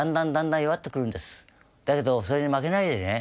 だけどそれに負けないでね